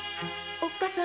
おっかさん！